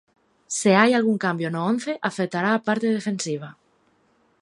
Se hai algún cambio no once afectará a parte defensiva.